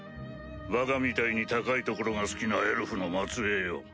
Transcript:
バカみたいに高い所が好きなエルフの末裔よ。